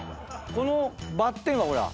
このバッテンはほらっ